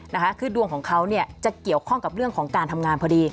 นะคะคือดวงของเขาเนี่ยจะเกี่ยวข้องกับเรื่องของการทำงานพอดี